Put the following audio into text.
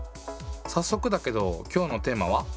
さっそくだけど今日のテーマは？